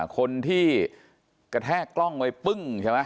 คนที่กระแทกกล้องไว้ปึ้งใช่ไหม